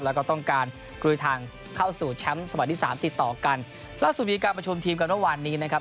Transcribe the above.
แล้วก็ต้องการกลุยทางเข้าสู่แชมป์สมัยที่สามติดต่อกันล่าสุดมีการประชุมทีมกันเมื่อวานนี้นะครับ